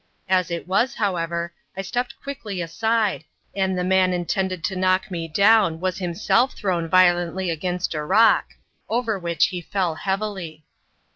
As it was, however, I stepped quickly aside, and the man intended to knock me down was himself thrown violently against a rock, over which he fell heavily.